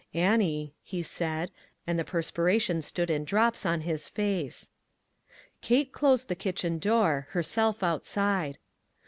"Annie," he said, and the perspiration stood in drops on his face. Kate closed the kitchen door, herself outside.